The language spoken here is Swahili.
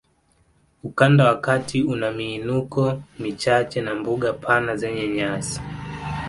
Ukanda wa kati una miinuko michache na mbuga pana zenye nyasi